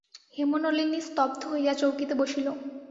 হেমনলিনী স্তব্ধ হইয়া চৌকিতে বসিল।